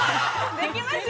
◆できますよ